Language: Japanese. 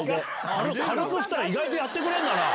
軽くふったら意外とやってくれんだな。